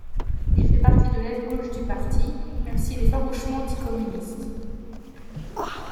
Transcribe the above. Il fait partie de l'aile gauche du parti, même s'il est farouchement anti-communiste.